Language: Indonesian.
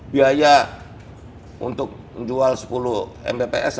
biaya untuk jual sepuluh mbps sama seratus mbps sama ga terlalu signifikan perbedaan harganya